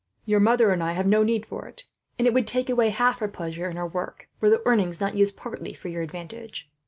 Your mother and I have no need for it, and it would take away half her pleasure in her work, were the earnings not used partly for your advantage."